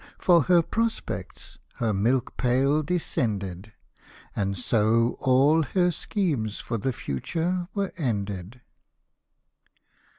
for her prospects her milk pail descended ! And so all her schemes for the future were ended.